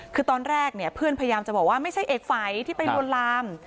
คือตอนแรกเนี่ยเพื่อนพยายามจะบอกว่าไม่ใช่เอกฝัยที่ไปลวนลาม